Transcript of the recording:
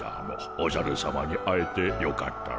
おじゃるさまに会えてよかったモ。